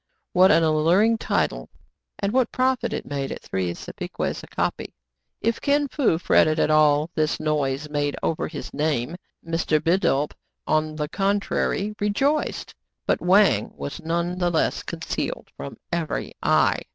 What an alluring title ! and what profit it made at three sapeques a copy ! If Kin Fo fretted at all this noise made over his name, Mr. Bidulph, on the contrary, rejoiced ; but Wang was none the less concealed from every eye.